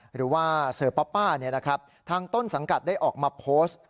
หรือว่าเสิร์ฟป๊อปป้าทางต้นสังกัดได้ออกมาโพสต์